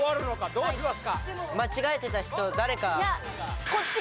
どうします？